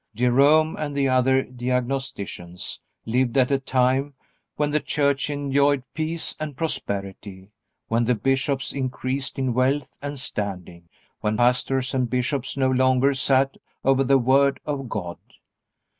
Jerome and the other diagnosticians lived at a time when the Church enjoyed peace and prosperity, when the bishops increased in wealth and standing, when pastors and bishops no longer sat over the Word of God.